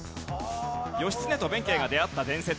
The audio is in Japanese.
義経と弁慶が出会った伝説。